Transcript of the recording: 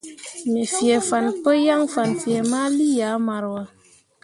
Me fee fan pǝ yaŋ fan fee ma lii ah maroua.